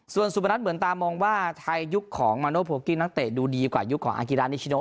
ส่วนสุพนัทเหมือนตามองว่าไทยยุคของมาโนโพกี้นักเตะดูดีกว่ายุคของอากิรานิชโน